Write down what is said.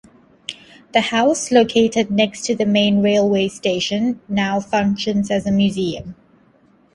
The house, located next to the main railway station, now functions as a museum.